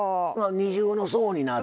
二重の層になって。